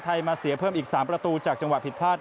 มาเสียเพิ่มอีก๓ประตูจากจังหวะผิดพลาด